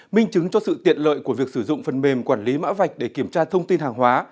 minh chứng cho sự tiện lợi của việc sử dụng phần mềm quản lý mã vạch để kiểm tra thông tin hàng hóa